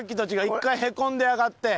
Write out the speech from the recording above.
一回へこんで上がって。